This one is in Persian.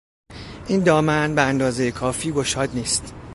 این دامن به اندازهی کافی گشاد نیست.